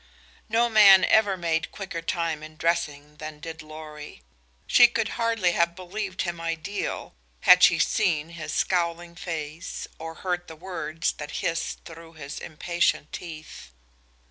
No man ever made quicker time in dressing than did Lorry. She could hardly have believed him ideal had she seen his scowling face or heard the words that hissed through his impatient teeth.